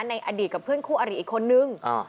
ในอดีตกับเพื่อนคู่อริอีกคนนึง